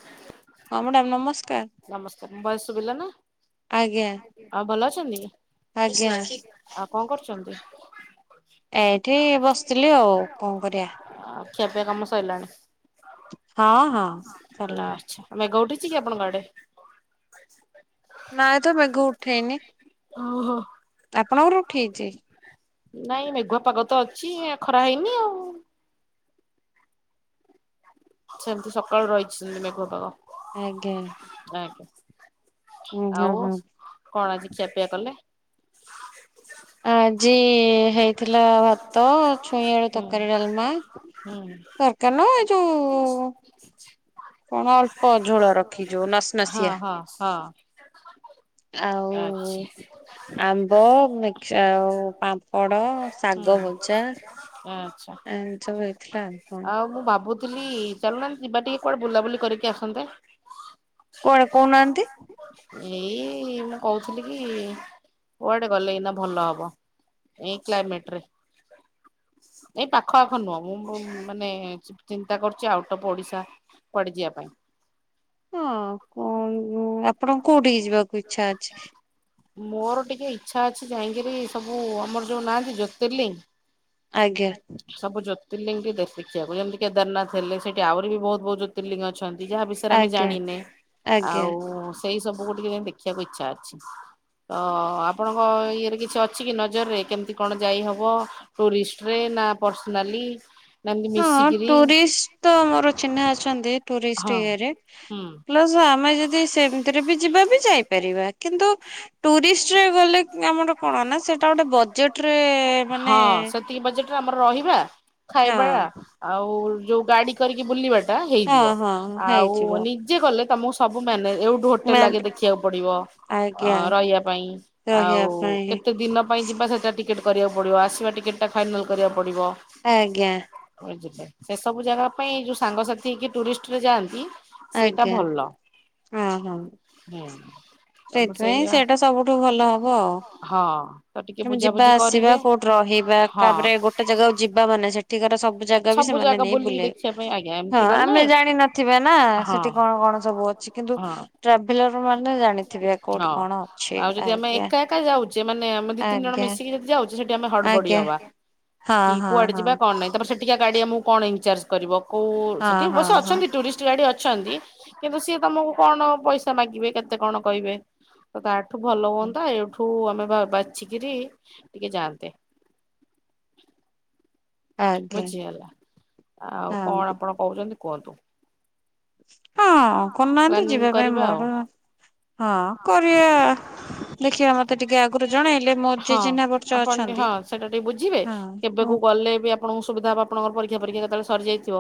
[unintelligible] ହଁ ମ୍ୟାଡ଼ାମ ନମସ୍କାର। ନମସ୍କାର ମୋ ଭଏସ ଶୁଭିଲା ନା ଆ ଆଉ ଭଲ ଅଛ? ଛନ୍ତି? ଆଜ୍ଞା ଆଛା ଆଉ କଣ କରୁଚନ୍ତି? ଏଇଠି ବସିଥିଲି ଆଉ । ଖିଆ ପିଆ କାମ ସଇଲାଣି ନା? ହଁ ହଁ ସରିଲାଣି।। ଆଚ୍ଛା ମେଘ ଉଠିଛି କି ଆପଣଙ୍କ ଆଡେ? ନାଁ ତ ମେଘ ଉଠେଇନି। ଓହୋ। ଆପଣଙ୍କର ଉଠେଇଚି? ନାଇଁ ମେଘୁଆ ପାଗ ତ ଅଛି। ଖରା ହେଇନି ଆଉ। ସେମିତି ସକାଳୁ ରହିଚି ମେଘ ପାଗ। ଆଜ୍ଞା। ଆଜ୍ଞା ହୁଁ ହୁଁ ଆଉ ହୁଁ। କଣ ଆଜି ଖିଆପିଆ କଲେ? ଆଜି ହେଇଥିଲା ଭାତ, ଛୁଇଁ, ଆଳୁ ହୁଁ ତରକାରୀ, ଡାଲମା। ହୁଁ ତରକାରୀ ନୁହଁ ଏ ଯୋଉଁ କଣ ଅ ଝୋଳ ରଖି ଯଉଁ ହଁ ନସନସିଆ ହଁ ହଁ। ଆଉ ଆଚ୍ଛା ଆମ୍ବ, ମିକ୍ସ ଆଉ ପାମ୍ପ ମ୍ୱ ହୁଁ ଶାଗ ଭଜା। ଆଚ୍ଛା। ଆ ସବୁ ହେଇଥିଲା। ହଁ। ଆଉ ମୁଁ ଭାବୁଥିଲି ଚାଲୁନାନ୍ତି ଯିବା ଟିକେ କୁଆଡେ ବୁଲାବୁଲି କରିକି ଆସନ୍ତେ। କୁଆଡେ କହୁନାହାନ୍ତି? ଏଇ ମୁଁ କହୁଥିଲି କି କୁଆଡେ ଗଲେ ଏଇନା ଭଲ ହବଏଇ କ୍ଲାଇମେଟରେ? ଏଇ ପାଖ ଆଖ ନୁହଁ, ମୁଁ ମାନେ ଚି ଚିନ୍ତା କରୁଚି ଆଉଟ ଅଫ୍ ଓଡିଶା କୁଆଡେ ଯିଆ ପାଇଁ। ହଁ କୁ ଉ ଆପଣଙ୍କୁ କୋଉଠିକି ଯିବାକୁ ଇଛା ଅଛି? ମୋର ଟିକେ ଇଚ୍ଛା ଅଛି ଯାଇକିରି ସବୁ ଆମର ଯଉ ନାହାନ୍ତି ଜ୍ୟୋତିର୍ଲିଙ୍ଗ ଆଜ୍ଞା ସବୁ ଜ୍ୟୋ ତିର୍ଲିଙ୍ଗି ଦେଖିବାକୁ, ଯେମିତି କେଦାରନାଥ ହେଲେ ସେଠି ଆହୁରି ବି ବହୁତ ବହୁତ ଜୋତିର୍ଲିଙ୍ଗ ଅଛି। ନ୍ତି। ଯାହା ବିଷୟରେ ଆମେ ଆଜ୍ଞା ଜାଣିନେ। ଆଜ୍ଞା। ଆଉ ସେଇ ସବୁ ଗୋଟିକି ଟିକେ ଦେଖିବାକୁ ଇଚ୍ଛା ଅଛି। ତ ଆପଣଙ୍କ ଇଏରେ କିଛି ଅଛି କି ନଜରରେ କେମତି କଣ ଯାଇହବ? ଟୁରିଷ୍ଟରେ ନା ପର୍ସନାଲି ନା ଏମିତି ହଁ ମିଶିକିରି ଟୁରିଷ୍ଟ ତ ମୋର ଚିହ୍ନା ଅଛନ୍ତି। ଟୁରିଷ୍ଟ ହଁ। ଇଏ ରେ। ହୁଁ ପ୍ଲସ ଆମେ ଯଦି ସେମିତିରେ ବି ଯିବା ବି ଯାଇପାରିବା, କିନ୍ତୁ ଟୁରିଷ୍ଟରେ ଗଲେ ଆମର କଣ ନା ସେଟା ଗୋଟେ ବଜେଟରେ ମାନେ ହଁ ସେତିକି ବଜେଟରେ ଆମର ରହିବା ଖାଇବା। ହଁ ଆଉ ଯଉ ଗାଡି କରିକି ବୁଲିବାଟ ସେଟା ହେଇଯିବ। ହଁ ହଁ ଆଉ ହେଇଯିବ। ନିଜେ ଗଲେ ତ ମୁ ସବୁ ମେନେଜ ଏଇଠୁ ହୋଟେଲ ମ୍ୟାମ୍ ଆଗେ ଦେଖିବାକୁ ପଡିବ। ଅ ଆଜ୍ଞା ରହିବା ପାଇଁ ଆଉ ରହିବା ପାଇଁ କେତେ ଦିନ ପାଇଁ ଯିବା ସେଟା ଟିକେ ଟିକେଟ୍ କରିବାକୁ ପଡ଼ିବ ଆସିବା ଟିକେଟ ଟା ଫାଇନାଲ୍ କରିବାକୁ ପଡ଼ିବ। ଆଜ୍ଞା। ସେ ସବୁ ଜାଗା ପାଇଁ ଏ ଯଉ ସାଙ୍ଗସାଥି ହେଇକି ଟୁରିଷ୍ଟରେ ଯାଆନ୍ତି। ସେଇଟା ଆଜ୍ଞା ଭଲ ଓହୋ। ହୁଁ। ତମ ସେଇଥିପାଇଁ ସେଇଆ ସେଇଟା ସବୁଠୁ ଭଲ ହବ ଆଉ ହଁ ତ ଟିକେ ତମେ ଯିବା ବୁଝାବୁଝି ଆସିବା କରିବେ କୋଉଠି ରହିବା ହଁ। ତାପରେ ଗୋଟେ ଜାଗାକୁ ଯିବା ମାନେ ସେ ଠିକାର ସବ ଜାଗା ବି ସବୁ ସେମାନେ ଜାଗା ନେଇ ବୁଲିକି ବୁଲେଇବେ। ଦେଖିବା ପାଇଁ ଆଜ୍ଞା ହଁ ଏମିତି ଗଲେ ଆମେ ଜାଣିିନଥିବା ନା? ହଁ ସେଠି କଣ କଣ ସବୁ ଅଛି କିନ୍ତୁ ହଁ ଟ୍ରାଭେଲର ମାନେ ଜାଣିଥିବେ କୋଉଠି ହଁ। କଣ ଅଛି। ଆଉ ଯଦି ଆମେ ଆଜ୍ଞା ଏକା ଏକା ଯାଉଛେ ମାନେ ଆମେ ଦି ତିନି ଜଣ ଆଜ୍ଞା ମିଶିକି ଯଦି ଯାଉଛେ ସେଠି ଆମେ ହଡବଡି ଆଜ୍ଞା। ହବା ହଁ ହଁ ହଁ। ଟିକେ ଗାଡି ଆମୁକୁ କଣ ଇନ୍ଚାର୍ଜ କରିବ? କଉ ସେଠି ହଁ ଅବଶ୍ୟ ହଁ ଅଛନ୍ତି ଟୁରିଷ୍ଟ ଗାଇଡି ଅ ଅଛନ୍ତି। କିନ୍ତୁ ସିଏ ତମକୁ କଣ ପଇସା ମାଗିବେ, କେତେ କଣ କହିବେ? ତ ତା ଠୁ ଭଲ ହଁ ହୁଅନ୍ତା ଏଇଠୁ ବ-ବ-ବାଛିିକିରି ଟିକେ ଯାଆନ୍ତେ। ଆଜ୍ଞା ବୁଝିଗଲା। ଆଉ ହଁ କଣ ଆପଣ କହୁଚନ୍ତି? କୁହନ୍ତୁ। [inaudible] ହଁ କରୁନାହାନ୍ତି, ପ୍ଲାନିଂ ଯିବା ପାଇଁ କରିବା ଆଉ। ମୋର ହଁ କରିବା। ଦେଖିବା ମତେ ଟିକେ ଆଗରୁ ଜଣେଇଲେ ମୋର ଯିଏ ହଁ ଚିହ୍ନା ପର୍ଚ ଆପଣ ଟିକେ ହଁ ଅଛନ୍ତି ସେଇଟା ଟିକେ ବୁଝିବେ ହଁ କେବେକୁ ଓ ଗଲେ ବି ଆପଣଙ୍କୁ ସୁବିଧା ହବ ଆପଣଙ୍କର ପରୀକ୍ଷା ପରୀକ୍ଷା କେତବେଳେ ସରିଯାଇଥିବ।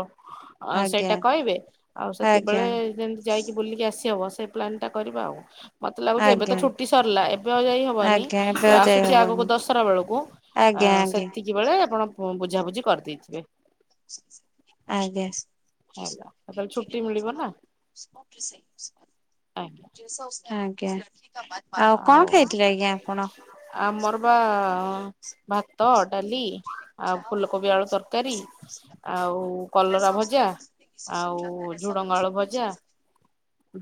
ଅ ଆଜ୍ଞା ସେଇଟା କହିବେ ଆଉ ଆଜ୍ଞା ସେତେବେଳେ ମିତି ଯାଇକି ବୁଲିକି ଆ ବଶୀ ହବ ସେଇ ପ୍ଲାନ୍ ଟା କରିବା ଆଉ। ମତେ ଲାଗୁଚି ଏବେ ତ ଆଜ୍ଞା ଛୁଟି ସରିଲା, ଏବେ ଆଉ ଯାଇ ହେବନି। ଆଜ୍ଞା ଏବେ ଆଉ ଯାଇ ଆସୁଚି ଆଗକୁ ହବନି ଦଶରା ବେଳକୁ ଆ ଆଜ୍ଞା ଆଜ୍ଞା ସେତିକିିବେଳେ ଆପଣ ହଁ ବୁଝାବୁଝି କରିଦେଇଥିବି। ଆଜ୍ଞା। [inaudible] ତାହେଲେ ଛୁଟି ମିଳିବ ନା। ଆଜ୍ଞା [unintelligible] ଆଜ୍ଞା। କଣ ଆଉ ଖାଇଥିଲେ ଆଜ୍ଞା ଆପଣ? ଆମର ବା ଭାତ ଡାଲି ଆଉ ଫୁଲକୋବି ଆଳୁ ତରକାରୀ ଆଉ କଲରା ଭଜା ଆଉ ଝୁଡଙ୍ଗ ଆଳୁ ଭଜା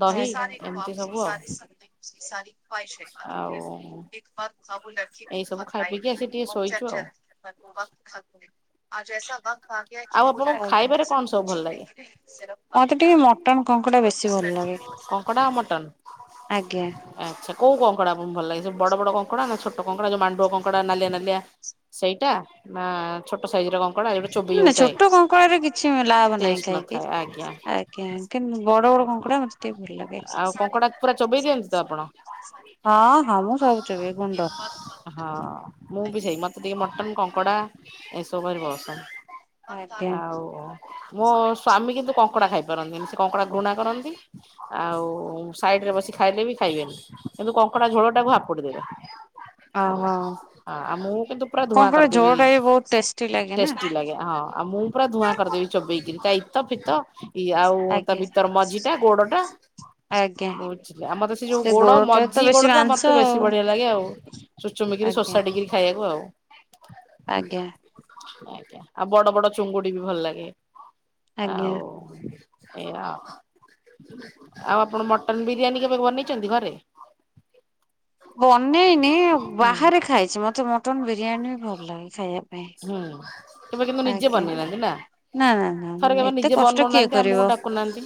ଦହି ଏମିତି ସବୁ ଆଉ ଆଉ [unintelligible] [unintelligible] [unintelligible] ମତେ ଟିକେ ଏଇ ସବୁ ଖାଇ ପିଇକି ଆସି ଟିକେ ଶୋଇଛୁ ଆଉ ଆଉ ଆପଣଙ୍କୁ ଖାଇବାରେ କଣ ସବୁ ଭଲ ଲାଗେ ମଟନ କଙ୍କଡା ବେଶୀ ଭଲ ଲାଗେ। କଙ୍କଡା ଆଉ ମଟନ ଆଜ୍ଞା ଆଚ୍ଛା କୋଉ କଙ୍କଡା? [inaudible] ଭଲ ଲାଗେ ସେ ବଡ ବଡ କଙ୍କଡା ନା ଛୋଟ କଙ୍କଡା ଯୋଉ ମାଣ୍ଡୁଆ କଙ୍କଡା ନାଲିଆ ନାଲିଆ ସେଇଟା ନା ଛୋଟ ସ ସେଇଥିରେ କଣ ନା ଛୋଟ କଙ୍କଡାରେ କିଛି ଲାଭ୍ ନାହିଁ ଟେଷ୍ଟ ଖାଇକି, ନଥାଏ ଆଜ୍ଞା ଆଜ୍ଞା ଆଜ୍ଞା କିନ୍ତ ବଡ ବଡ କଙ୍କଡା ମତେ ଟିକେ ଭଲ ଲାଗେ, ଆଉ କଙ୍କଡା ପୁରା ଚୋବେଇ ଦିଅନ୍ତି ତ ଆପଣ ହଁ ହଁ ମୁଁ ସବୁ ଚୋବେଇ ଗୁଣ୍ଡ। ହଁ ମୁଁ ବି ସେଇ ମତେ ଟିକେ ମଟନ କଙ୍କଡ଼ା ଏସ୍। [inaudible] ଘରେ ବସ। ଆଜ୍ଞା। ମୋ ସ୍ଵାମୀ କିନ୍ତୁ କଙ୍କଡା ଖାଇପାରନ୍ତିନି, ସେ କଙ୍କଡା ଘୃଣା କରନ୍ତି ଆଉ ସାଇଡରେ ବସି ଖାଇଲେ ବି ଖାଇବେନି, କିନ୍ତୁ କଙ୍କଡ଼ା ଝୋଳଟାକୁ ହାପୁଡି ଦେବେ। ହେଲା, ଓହୋ ଆ ଆଉ ମୁଁ କିନ୍ତୁ ପୁରା କଣ ଧୂଆଁ କହିଲ କରିଦେବି ଝୋଳ ଟା ବି ବହୁତ ଟେଷ୍ଟି ଲାଗେ ନା ଟେଷ୍ଟି ଲାଗେ ହଁ, ଆଉ ମୁଁ ପୁରା ଧୂଆଁ କରିଦେବି ଚୋବେଇକି। ଏଇତା ଇତ ଫିତ। ଇଏ ଆଉ ତା ଆଜ୍ଞା। ଭିତର ମଝିଟା ଗୋଡଟା, ଆଜ୍ଞା ବୁଝିଲେ ମତେ ସେ ଯୋଉ ଗୋଡ ଗୋଡଟାରେ ତ ମଝି ବେଶୀ ଗୋଡଟା ମାଂସ ମତେ ବେଶୀ ଆଉ ବଢିଆ ଲାଗେ ଆଉ, ଚୁଚୁମିକି ଆଜ୍ଞା ସୋଷାଡିକି ଖାଇବାକୁ ଆଉ ଆଜ୍ଞା ଆଜ୍ଞା, ଆଉ ବଡ ବଡ ଚୁଙ୍ଗୁଡି ବି ଭଲ ଲାଗେ। ଆଜ୍ଞା। ଆଉ ଏଇୟା ଆଉ। ଆପଣ ମଟନ ବିରିୟାନୀ କେବେ ବନେଇଛନ୍ତି ଘରେ? ବନେଇନି, ହୁଁ ବାହାରେ ଖାଇଛି ମତେ ମଟନ୍ ବିରିୟାନୀ‌ ଭଲ ଲାଗେ ଖାଇବାକୁ। ହୁଁ। କେବେ କିନ୍ତୁ ନିଜେ ବନେଇନାହାନ୍ତି ନା? ନା ନା ଥରେ ନା କେବେ ଏତେ ନିଜେ କଷ୍ଟ କିଏ ବନଉନାହାନ୍ତି ଆମକୁ କରିବ। ଡାକୁନାହାନ୍ତି?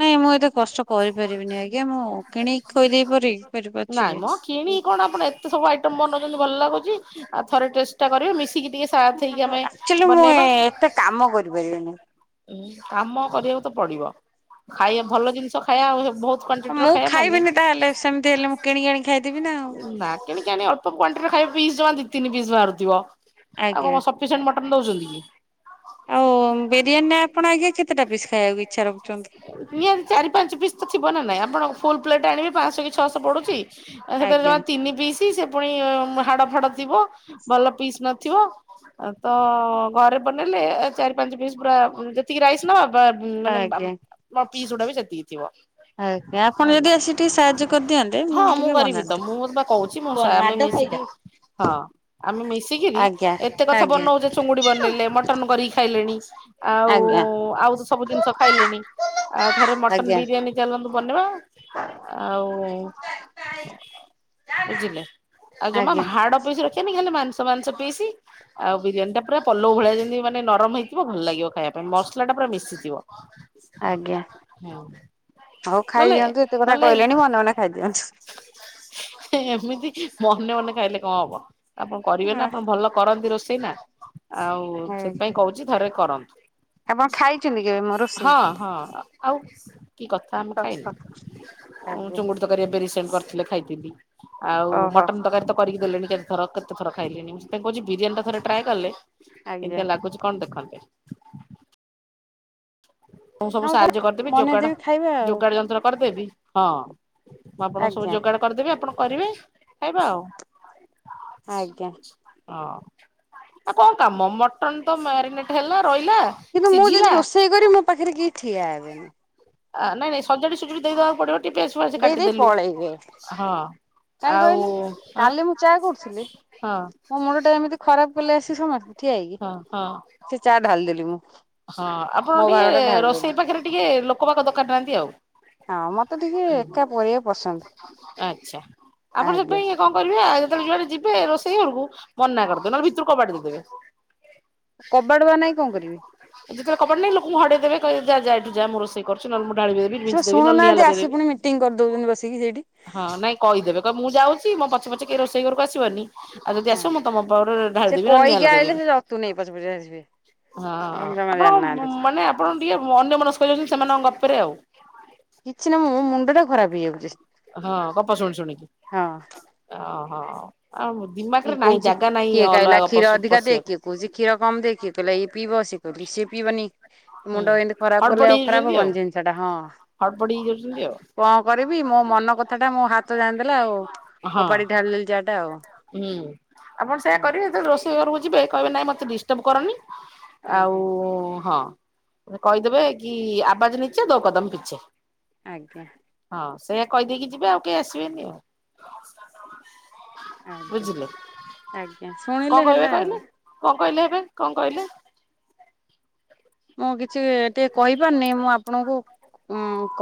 ନାଇଁ ମୁଁ ଏତେ କଷ୍ଟ କରିପାରିବିନି ଆଜ୍ଞା ମୁଁ କିଣିକି ଖୋଇଦେଇ ପାରି ପାରିବି ଅଛି ନାଇଁ ମଁ କି। କିଣିକି କଣ ଆପଣ ଏତେ ସବୁ ଆଇଟମ ବନଉଛନ୍ତି ଭଲ ଲାଗୁଛି। [unintelligible] ଆଉ ଥରେ ଟେଷ୍ଟଟା କରିବ ମିଶିକି ଟିକେ ସାଥ୍ ହେଇକି ଆମେ ଆକ୍ଚୁଆଲି ମୁଁ ବନେଇବା, ଏତେ କାମ କରିପାରିବିନି। ଉଁ କାମ କରିବାକୁ ତ ପଡିବ। ଖାଇବା ଭଲ ଜିନିଷ ଖାଇବା ଆଉ ବହୁତ୍ କୁଆଣ୍ଟିଟି ର ମୁଁ ଖାଇବା ମାନେ ଖାଇବିନି ତାହେଲେ ସେମିତି ହେଲେ ମୁଁ କିଣିକି ଆଣି ଖାଇଦେବି ନା ଆଉ ନା କିଣିକି ଆଣି ଅଳ୍ପ କୁଆଣ୍ଟିଟି ର ଖାଇବେ ପିସ ଜମା ଦି ତିନି ପିସ୍ ବାହାରୁଥିବ ଆଉ ଆଜ୍ଞା। କଣ ସପିସେଣ୍ଟ ମଟନ ଦଉଛନ୍ତି କି? ଆଉ ବିରିୟାନୀରେ ଆପଣ ଆଜ୍ଞା କେତେଟା ପିସ୍ ଖାଇବାକୁ ଇଚ୍ଛା ରଖୁଛନ୍ତି? ନିହାତୀ ଚାରି ପାଞ୍ଚ ପିସ୍ ତ ଥିବ ନା ନାଇଁ ଆପଣ ଫୁଲ୍ ପ୍ଲେଟ ଆଣି ପାଞ୍ଚଶହ କି ଛଅଶହ ପଡ଼ଛି । ଆ ସେତେରେ ରେ ଆଜ୍ଞା ଜମା ତିନି ପିସି ସେ ପୁଣି ହାଡ଼ ଫାଡ଼ ଥିବ । ଭଲ ପିସ୍ ନଥିବ ତ ଘରେ ବନେଇଲେ ଚାରି ପାଞ୍ଚ ପିସ୍ ପୁରା ଯେତିକି ରାଇସ ନବା । ବା ମ ମାନେ ବାମ ଆଜ୍ଞା ନ । ପିଶ ଗୁଡା ବି ସେତିକି ଥିବ । ଆଜ୍ଞା ଆପଣ ଯଦି ହେଲା ଆସି ଟିକେ ସାହାଯ୍ୟ କରିଦିଅନ୍ତେ ହଁ ମୁଁ ଟିକେ କରିବି ତ ବନାନ୍ତି। ମୁଁ ବା କହୁଛି ମୁ ଶା ଆମେ ମିଶିକି ହଁ । ଆମେ ମିଶିକିରି ଆଜ୍ଞା ଏତେ କଥା ଆଜ୍ଞା ବନଉଛ ଚୁଙ୍ଗୁଡି ବନେଇଲେ ମଟନ କରିକି ଖାଇଲେ । ଆଉ ଆଜ୍ଞା ଆଉ ତ ସବୁ ଜିନିଷ ଖାଇଲେଣି ଆଉ ଥରେ ମଟନ ଆଜ୍ଞା ବିରିୟାନୀ ଚାଲନ୍ତୁ । ବନେଇବା । ଆଉ ବୁଝିଲେ ଆଉ ଜମା ଆଜ୍ଞା ହାଡ ପଇସ ରଖି ଖାଲି ମାଂସ ମାଂସ ପିଇସି ଆଉ ବିରିୟାନୀ ଟା ପୁରା ପଲଉ ଭଳିଆ ଯେମିତି ମାନେ ନରମ ହେଇଥିବ ଭଲ ଲାଗିବ ଖାଇବା ପାଇଁ ମସଲା ଟା ପୁରା ମିଶିଥିବ । ଆଜ୍ଞା ହଉ ନହେଲେ ଖାଇଦିଅନ୍ତୁ ଏତେ କଥା ନହେଲେ କହିଲେଣି ମନେ ମନେ ଖାଇଦିଅନ୍ତୁ । ଏମିତି ମନେ ମନେ ଖାଇଲେ କଣ ହବ । ଆପଣ କରିବେ ନା ଆପଣ ଭଲ କରନ୍ତି ରୋଷେଇ ନା ଆଉ ଆଜ୍ଞା ସେଥିପାଇଁ କହୁଛି ଥରେ କରନ୍ତୁ । ଆପଣ ଖାଇଛନ୍ତି କେବେ ମୋ ରୋଷେଇ? ହଁ ହଁ ଆଉ କି କଥା ଆମେ ଖାଇନୁ ଓହୋ ଆଜ୍ଞା ଚୁଙ୍ଗୁଡି ତକାରି ଏବେ ରିସେଣ୍ଟ କରିଥିଲେ ଖାଇଥିଲି । ଆଉ ଓହୋ ମଟନ ତରକାରୀ ତ କରିକି ଦେଲେଣି । କେତେ ଥର । କେତଥର ଖାଇଲିଣି ମୁଁ ସେଥିପାଇଁ କକହୁଛି ବିରିୟାନି ଟା ଥରେ ଟ୍ରାଏ କଲେ । ଆଜ୍ଞା କେମତିଆ ଲାଗୁଛି କଣ ଦେଖନ୍ତେ । [inaudible] ମୁଁ ସବୁ ହଁ କ ସାହାଯ୍ୟ କରିଦେବି ଯୋଗାଡ ବନେଇଦେବି ଖାଇବା ଆଉ ଯୋଗାଡ ଯନ୍ତ୍ର କରିଦେବି । ହଁ । ମୁଁ ଆପଣଙ୍କ ସବୁ ଆଜ୍ଞା ଯୋଗାଡ଼ କରିଦେବି ଆପଣ । କରିବେ ଖାଇବା ଆଉ । ଆଜ୍ଞା । ହଁ ଆଉ କଣ କାମ ମଟନ ତ ମ୍ୟାରିନେଟ ହେଲା। ରହିଲା କିନ୍ତୁ ମୁଁ ଯଦି ସିଝିଲା। ରୋଷେଇ ମୋ ପାଖରେ କେହି ଠିଆ ହେବେନି। ଆଁ ନାଇ ନାଇଁ ସଜାଡି ସଜୁଡ଼ି ଦେଇଦବାକୁ ପଡିବ। ଟିକେ ପିଆଜ ଫିଆଜ ଦେଇ ଦେଇ କାଟିଦେଲୁ ପଳେଇବେ ହଁ। ।କାହିଁ ଆଉ କହିଲି ଆଁ କାଲି ମୁଁ ଚା କରୁଥିଲି ହଁ ମୋ ମୁଣ୍ଡ ଟା ଏମିତି ଖରାପ କଲେ ଆସି ସମସ୍ତେ ଠିଆ ହେଇକି ହଁ ହଁ। ସେ ଚା ଢାଲିଦେଲି ମୁଁ। ହଁ ଆପଣ ମୋ ଭାଗ ଟିକେ ଟା ଢାଳିଦେଲି ରୋଷେଇ ପାଖରେ ଟିକେ ଲୋକ ବାକ ଦରକାର ନାହାନ୍ତି ଆଉ। ହଁ ମତେ ଟିକେ ଏକା ପରିବା ପସନ୍ଦ। ଆଚ୍ଛା। ଆପଣ ଆଜ୍ଞା ସେଥିପାଇଁ କଣ କରିବେ ଆଉ ଯ ଯିବେ ରୋଷେଇ ଘରକୁ ମନା କରିଦେବେ। ନହେଲେ ଭିତରୁ କବା ଦେଇଦେବେ। କବାଡ ବା ନାଇଁ କଣ କରିବେ। ଯେତେବେଳେ କବାଟ ନାହିଁ ଲୋକଙ୍କୁ ହଡେଇ ଦେବେ ଯା ଏଠୁ ଯା ମୁ ରୋଶେଇ କରୁଛି ।ନ ହେଲ ଢାଳି ଦେବୀ ସେ ବିନ୍ସି ଦେବୀ ନ ହେଲେ ନିଆଁ ଶୁଣୁନାହାନ୍ତି ଆସି ଲଗଇଦେବି ପୁଣି ମିଟିଂ କରିଦଉଛନ୍ତି ବସିକି ସେଇଠି ହ କହିଦେବେ ମୁଁ ଯାଉଛି। ମୋ ପଛେ ପଛେ ଟିକେ ରୋଷଇ ଘରକୁ ଆସିବନି। ଆଉ ଯଦି ହଁ ଆସିବ ମୁଁ ତମ ପାଖରେ ସେ ଢାଳିଦେବି ନହେଲେ ନିଆଁ କହିକି ଆଇଲେ ଲଗେଇଦେବି। ସେ ଜତୁ ନେଇ ପଛେ ପଛେ ଆସିବେ ହଁ ଜମା ଆପଣ ଜାଣିନାହାନ୍ତି ମାନେ ଆପଣ ଟିକେ ଅନ୍ୟ ମନସ୍କାଉଛନ୍ତି ସେମାନଙ୍କ ଗପରେ ଆଉ। କିଛି ନା ମୋ ମୁଣ୍ଡ ଟା ଖରାପ ହେଇଯାଉଛି ହଁ ଗପ ଶୁଣି ଶୁଣିକି। ହଁ ହଁ। କିଏ କହୁଛି କିଏ କହିଲା ଗପ କ୍ଷୀର ଅଧିକା ଦେ। ପଶିବାକୁ କିଏ କହୁଛି କ୍ଷୀର କମ ଦେ ।କିଏ କହିଲା ଇ ପିଇବ ।ସେ କହିଲେ ସିଏ ପିଇବନି। ହୁଁ ମୁଣ୍ଡ ଏମିତି ଖରାପ କଲେ ହଡବଡି ଆଉ ଖରାପ ହେଇଯାଉଛନ୍ତି ହବନି ଜିନିଷ ଟା। ହଁ ହଡବଡି ହେଇଯାଉଛନ୍ତି ଆଉ କଣ କରିବି ମୋ ମନ କଥା ଟା ମୋ ହାତ ଜାଣିଦେଲା ଆଉ ହଁ ଫୋପାଡି ଢାଳିଦେଲି ଚାହା ଟା ଆଉ। ହୁଁ। ଆପଣ ସେୟଆ ହଁ କରିବେ ଯ ରୋଷ ସେ ଘକୁ ଯିବେ କିବେ ନାଇଁ ମତେ ଡିଷ୍ଟର୍ବ କରନି। ଆଜ୍ଞା ଆଉ ହଁ। କହିଦେବେ କି ଆବାଜ ନିଚେ ଦୋ କଦମ ପିଛେ। ଆଜ୍ଞା। ହଁ ସେ କହିଦେଇକି ଯିବେ ଆଉ କେହି ଆସିବେନି ଆଉ। ଆଜ୍ଞା ବୁଝିଲେ ଆଜ୍ଞା କଣ ଶୁଣିଲେ କହିବେ ହେଲା କହିଲେ? ଆଉ। କଣ କହିଲେ ଏବେ କଣ କହିଲେ। ମୁଁ କିଛି ଟିକେ କହିପାରନି ମୁଁ ଆପଣଙ୍କୁ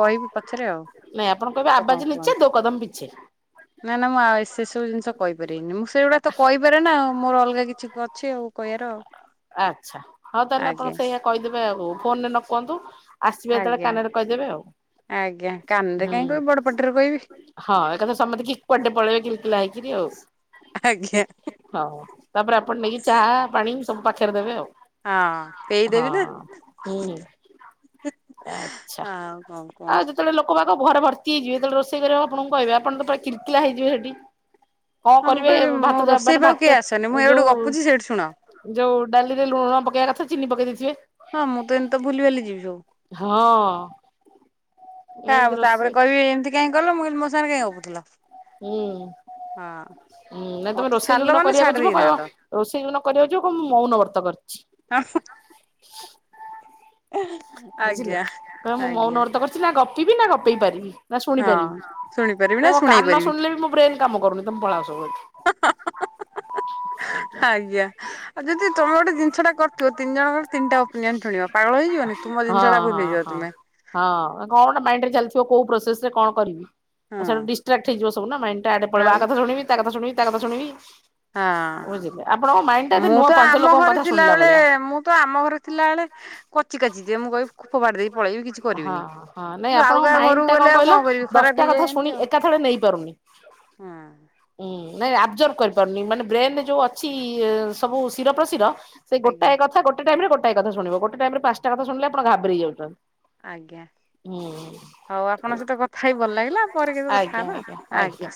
କହିବି ପଛରେ ଆଉ ନାଇଁ ଆପଣ କହିବେ ଆଗ କଣ ଆବାଜ ନିଚେ କୁହନ୍ତୁ। ଦୋ କଦମ ପିଛେ ନା ନା ମୁଁଉ ସେସବୁ ଜିନିଷ କହିପାରିବିନି। ମୁଁ ସେଇଗୁଡା ତ କହିପାରେ ନାଉ ମୋର ଅଲଗା କିଛି ଅଛି କହିବାର। ଆଚ୍ଛା ହଉ ତାହେଲେ ଆପଣ ଆଜ୍ଞା ସେଇା କହିଦେବେ। ଏ ହଉ ଫୋନରେ ନ କୁହନ୍ତୁ। ଆସିବେ ଯେତେବେଳେ ଆଜ୍ଞା କାନରେ କହିଦେବେ ଆଉ। ଆଜ୍ଞା କାନରେ ହୁଁ କାହିଁ କହିବି ବଡ ପାଟିରେ କହିବି ହଁ ଏକ କଥା ସମସ୍ତେ କି କଡେ ପଳେଇବେ କିିଲା ହେଇକରି ଆଉ ଆଜ୍ଞା ହଉ। ତାପରେପଣ ମାଇ ଚା ପାଣି ସବୁ ପାଖରେ ଦେବେ ଆଉ। ହଁ କେଇ ହଁ ଦେବି ନା ହୁଁ ହଉ କଣ କୁହନ୍ତୁ। ଆ ଘରେ ଭର୍ତ୍ତି ହେଇଯିବ ଯେତେବେଳେ ରୋଷେଇ କରିବାକୁ ଆପଣଙ୍କୁ କହିବେ ଆପଣ ତ ପା କିର୍ତିିଲଳା ହେଇଯିବ ହେଟି। ହଁ ମୁଁ କହିବି ମୋ ରୋଷେଇ ପାକୁ କିଏ ଆସନି ମୁଁ ଏ ଗୋଠୁ ଗପୁଛି ସେଇଠି ଶୁଣଅ। ଯଉ ଡାଲିରେ ଲୁଣ ପକେଇବା କଥା ଚିନି ପକେଇ ଦେଇଥିବେ ହଁ ମୁଁ ତ ଏମିତି ତ ଭୁଲି ବାଲି ଯିବି ହଁ ଏମିତି ସବୁ ତାପରେ ରୋଷେଇ କହିବି ଏମିତି କାଇଁ କଲ ମୁଁ କହିବି ମୋ ସାଙ୍ଗରେ କାଇଁ ଗପୁଥିଲ ହୁଁ। ମୁଁ ହୁଁ ନାଇଁ ହଁ ତମେ ମତେ ରୋଷେଇ ଛାଡିଲ ଯୋଉଦିନ ମାନେ କରିବାକୁ ଯିବ କହିବ ଛାଡ଼ିଦେଇଥାନ୍ତ। ରୋଷେଇ ଯୋଉଦିନ କରିବାକୁ ଯିବ ମୁଁ ମୋଉନବର୍ତ କରିଛି। [unintelligible] ବୁଝିଲେ ଆଜ୍ଞା କଇବେ ମୁଁ ଆଜ୍ଞା ମୌନବର୍ତ କରିଛିି ନା ଗପ୍ ପିବି ନା ଗପେଇ ପାରିବି ନା ହଁ। ଶୁଣିପାରିବି ଶୁଣିପାରିବି ତ ନା ମୋ ଶୁଣେଇ କାନ ପାରିବି ଶୁଣିଲେ ବି ମୋ ବ୍ରେନ୍ କାମ କରୁନି। [unintelligible] ଆଜ୍ଞା ଆଉ ଯଦି ତମେ ଗୋଟେ ଜିନିଷ ଟା କରୁଥିବ ତିନି ଜଣଙ୍କର ତିନିଟା ଓପିନିୟନ ଶୁଣିବା ପାଗଳ ହେ ହଁ ହଁ ହଁ ହଁ କଣ ଗୋଟେ ମାଇଣ୍ଡ ରେ ଚାଲିଥିବ କୋଉ ପ୍ରୋସ୍ ତ ସେ କଣ କରି ହଁ ସାଡ଼ୁ ଡିସ୍ଟ୍ରା୍କ୍ ସବୁ ନା ମାଇଣ୍ଡି ଟା ୟାଡେ ପଳେଇବ ଆ ଆଉ କଥା ଶୁଣିବି ତା କଥା ଶୁିଣିବି ତା କଥା ଶୁଣିବି ହଁ ବୁଝିଲେ ଆପଣଙ୍କ ମାଇଣ୍ଡ ଟା ଏତେ ମୁଁ ନୁହଁ ତ ପାଞ୍ଚ ଆମ ଲୋକଙ୍କ ଘରେ କଥା ଶୁଣିଲା ଥିଲାବେଳେ ଭଳିଆ। ମୁଁ ତ ଆମ ଘରେ ଥିଲାବେଳେ କଚି କାଚି [inaudible] ଫୋପାଡି ଦେଇକି ପଳେଇବି କିଛି ହଁ କରିବିନି ହଁ ନାଇଁ କିନ୍ତୁ ଆଉ ଆପଣଙ୍କ କାହା ମାଇଣ୍ଡ ଘରକୁ ଟା ଗଲେ ଆଉ କହିଲ କଣ କରିବି ଦଶଟା ଖରାପ କଥା ହେଇଯାଏ ଶୁଣି ଏମତି ଆଉ ଏକାଥରେ ନେଇପାରୁନି। ହୁଁ। ହୁଁ ନାଇଁ ଆବଜର୍ଭ କରିପାରୁନି ମାନେ ବ୍ରେନ୍ ଯେଉଁ ଅଛି ସବୁ ଶିର ପ୍ରଶୀର ସେ ଆଜ୍ଞା ଗୋଟାଏ କଥା ଗୋଟେ ଟାଇମ୍ ରେ ଗୋ ଗୋଟେ କଥା ଶୁଣିବ ଗୋଟେ ଟାଇମ୍ ରେ ପାଞ୍ଚଟା କଥା ଶୁଣିଲେ ଆପଣ ଘାବରେଇ ଯାଉଛନ୍ତି। ଆଜ୍ଞା ହୁଁ ହଉ ଆପଣଙ୍କ ସହିତ କଥା ହଇ ଭଲ ଲାଗିଲା ପରେ କେବେ କଥା ଆଜ୍ଞା ହବା ଆଜ୍ଞା ଆଜ୍ଞା।